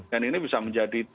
dan ini bisa menjadi